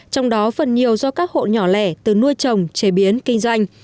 trong đó phần nhiều do các hộ nhỏ lẻ từ nuôi trồng chế biến kinh doanh